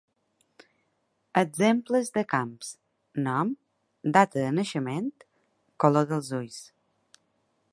Exemples de camps: nom, data de naixement, color dels ulls.